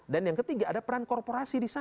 dan yang ketiga ada peran korporasi di sana